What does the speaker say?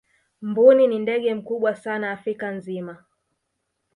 mbuni ni ndege mkubwa sana afrika nzima